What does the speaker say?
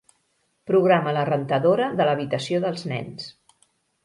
Programa la rentadora de l'habitació dels nens.